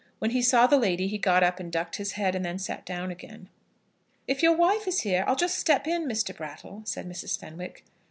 When he saw the lady he got up and ducked his head, and then sat down again. "If your wife is here, I'll just step in, Mr. Brattle," said Mrs. Fenwick.